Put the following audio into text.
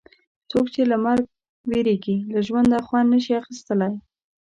څوک چې له مرګ وېرېږي له ژونده خوند نه شي اخیستلای.